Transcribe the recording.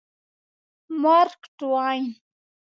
مارک ټواین